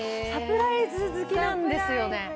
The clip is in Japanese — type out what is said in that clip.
サプライズ好きなんですよね。